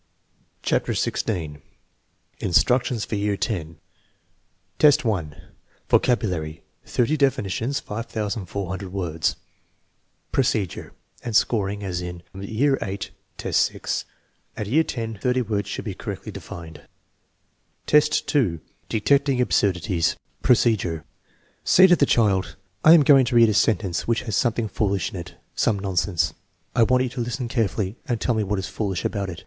CHAPTER XVI INSTRUCTIONS FOR YEAR X X, 1. Vocabulary (thirty definitions, 5400 words) Procedure and scoring as in VIII, 6, At year X, thirty words should be correctly defined. X, 2. Detecting absurdities Procedure. Say to the child: " I am going to read a sentence which has something foolish in it, some nonsense. I want you to listen carefully and tell me what is foolish about it."